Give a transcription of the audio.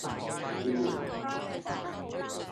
燒臘